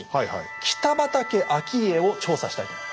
北畠顕家を調査したいと思います。